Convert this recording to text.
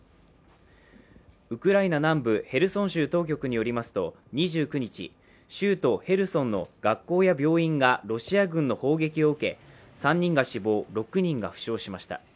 ウクライナ南部ヘルソン州当局によりますと、２９日、州都ヘルソンの学校や病院がロシア軍の砲撃を受け３人が死亡６人が負傷しました。